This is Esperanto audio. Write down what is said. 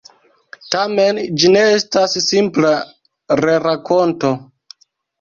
Tamen ĝi ne estas simpla rerakonto.